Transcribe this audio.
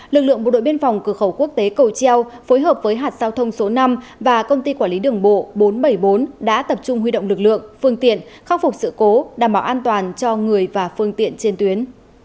lực lượng bộ đội biên phòng cửa khẩu quốc tế cầu treo phối hợp với hạt giao thông số năm và công ty quản lý đường bộ bốn trăm bảy mươi bốn đã tập trung huy động lực lượng phương tiện khắc phục sự cố đảm bảo an toàn cho người và phương tiện trên tuyến